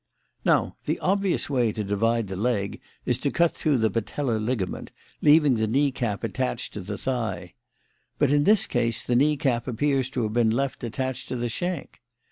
Now the obvious way to divide the leg is to cut through the patellar ligament, leaving the knee cap attached to the thigh. But in this case, the knee cap appears to have been left attached to the shank.